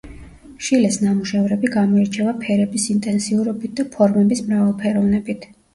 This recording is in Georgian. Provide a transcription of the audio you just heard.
შილეს ნამუშევრები გამოირჩევა ფერების ინტენსიურობით და ფორმების მრავალფეროვნებით.